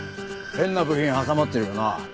変な部品挟まってるよな？